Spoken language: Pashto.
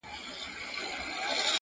د نیکه هغه ویلي افسانه چې هوسۍ